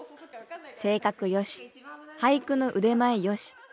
性格よし俳句の腕前よし。